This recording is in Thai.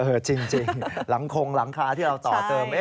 จริงหลังคงหลังคาที่เราต่อเติม